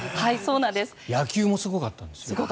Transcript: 野球もすごかったんです。